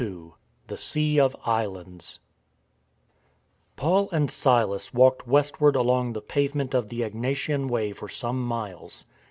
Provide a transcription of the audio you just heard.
XXII THE SEA OF ISLANDS PAUL and Silas walked westward along the pave ment of the Egnatian Way for some miles.